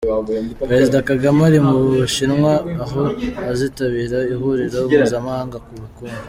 Perezida Kagame ari mu Bushinwa aho azitabira Ihuriro Mpuzamahanga ku Bukungu